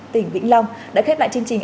tỉnh vĩnh long đã khép lại chương trình